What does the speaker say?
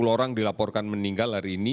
lima puluh orang dilaporkan meninggal hari ini